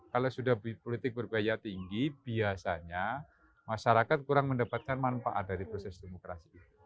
kalau sudah politik berbiaya tinggi biasanya masyarakat kurang mendapatkan manfaat dari proses demokrasi ini